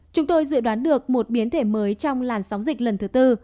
chúng tôi dự đoán được một biến thể mới trong làn sóng dịch lần thứ tư